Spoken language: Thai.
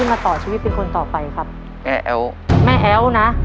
ไม่ได้ยูวง